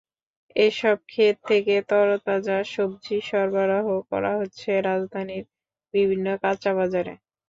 এসব খেত থেকে তরতাজা সবজি সরবরাহ করা হচ্ছে রাজধানীর বিভিন্ন কাঁচাবাজারে।